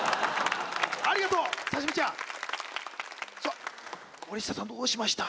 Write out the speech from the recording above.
ありがとう刺身ちゃんさっ森下さんどうしました？